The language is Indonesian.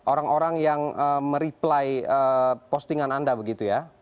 orang orang yang mereply postingan anda begitu ya